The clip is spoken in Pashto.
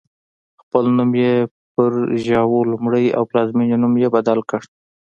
خپل نوم یې پر ژواو لومړی او پلازمېنې نوم یې بدل کړ.